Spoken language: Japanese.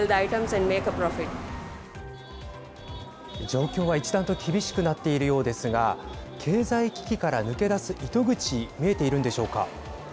状況は一段と厳しくなっているようですが経済危機から抜け出す糸口見えているんでしょうか。